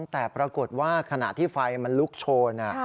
แต่ปรากฏว่าขณะที่ไฟมันลุกโชน